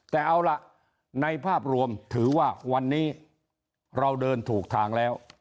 แต่เอาล่ะในภาพรวมถือว่าวันนี้เราเดินถูกทางแล้ว